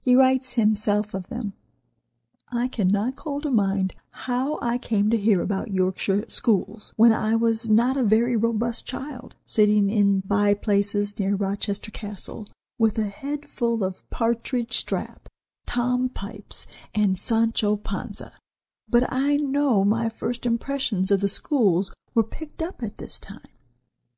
He writes himself of them: "I cannot call to mind how I came to hear about Yorkshire schools, when I was not a very robust child, sitting in by places near Rochester Castle with a head full of Partridge, Strap, Tom Pipes and Sancho Panza, but I know my first impressions of the schools were picked up at this time."